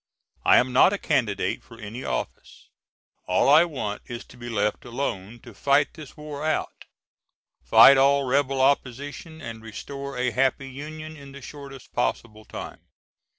I am not a candidate for any office. All I want is to be left alone to fight this war out; fight all rebel opposition and restore a happy Union in the shortest possible time.